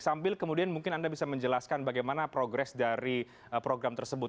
sambil kemudian mungkin anda bisa menjelaskan bagaimana progres dari program tersebut